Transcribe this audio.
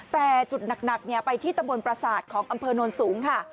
แต่จุดหนักไปที่ตำบลประสาทของอำเภอโน้นสูงค่ะ